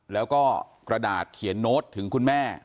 แล้วก็กระดาษเขียนโน้ตถึงคุณแม่